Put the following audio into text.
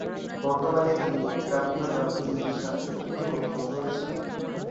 বর্তমানে তিনি ডাব্লিউডাব্লিউইর সাথে চুক্তিবদ্ধ রয়েছেন।